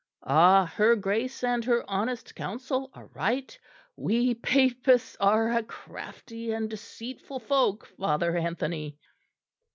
Ah! her Grace and her honest Council are right. We Papists are a crafty and deceitful folk, Father Anthony."